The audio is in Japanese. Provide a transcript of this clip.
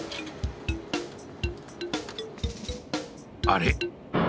あれ？